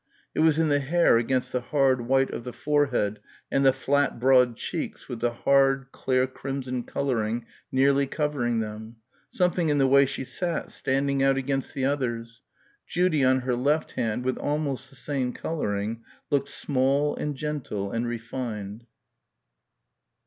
it was in the hair against the hard white of the forehead and the flat broad cheeks with the hard, clear crimson colouring nearly covering them ... something in the way she sat, standing out against the others.... Judy on her left hand with almost the same colouring looked small and gentle and refined.